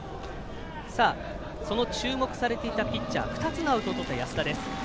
その注目されていたピッチャー２つのアウトをとった、安田です。